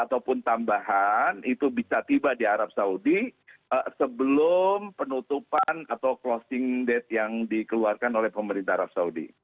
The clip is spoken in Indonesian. dan tambahan itu bisa tiba di arab saudi sebelum penutupan atau closing date yang dikeluarkan oleh pemerintah arab saudi